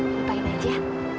ah ngapain aja